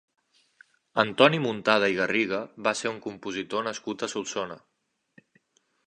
Antoni Muntada i Garriga va ser un compositor nascut a Solsona.